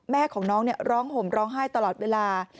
แม่ของน้องร้องห่มร้องไห้ตลอดเวลา